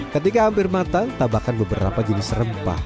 ketika hampir matang tambahkan beberapa jenis rempah